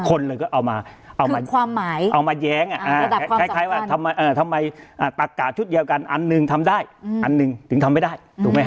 คนเลยก็เอามาแย้งตัก่าชุดเดียวกันอันนึงทำได้อันนึงถึงทำไม่ได้